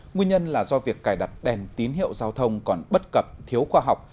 nguyên nhân là do việc cài đặt đèn tín hiệu giao thông còn bất cập thiếu khoa học